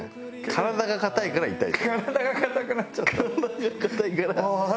体が硬いから痛い。